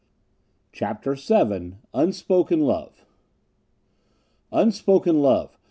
CHAPTER VII Unspoken Love Unspoken love!